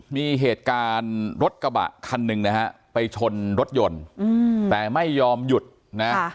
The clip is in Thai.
มีเหตุการณ์รถกระบะคันหนึ่งนะฮะไปชนรถยนต์แต่ไม่ยอมหยุดนะ